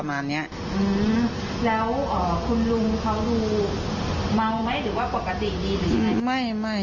ไม่ปกตินะ